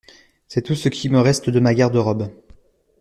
C’est tout ce qui me reste de ma garde-robe.